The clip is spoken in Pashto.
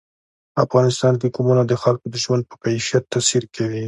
افغانستان کې قومونه د خلکو د ژوند په کیفیت تاثیر کوي.